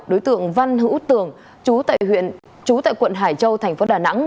đối tượng văn hữu tường chú tại quận hải châu thành phố đà nẵng